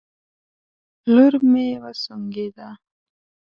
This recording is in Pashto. لور مې وسونګېده